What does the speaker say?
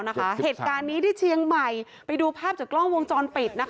เหตุการณ์นี้ที่เชียงใหม่ไปดูภาพจากกล้องวงจรปิด